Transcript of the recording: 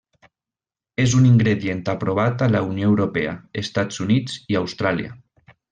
És un ingredient aprovat a la Unió Europea, Estats Units i Austràlia.